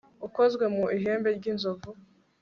ukozwe mu ihembe ry'inzovu